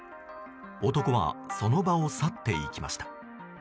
男はその場を去っていきました。